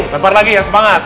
lempar lagi yang semangat